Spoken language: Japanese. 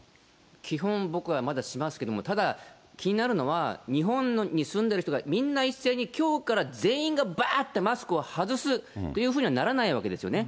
基本、僕はまだしますけども、ただ、気になるのは、日本に住んでる人がみんな一斉に、きょうから全員がばーってマスクを外すというふうにはならないわけですよね。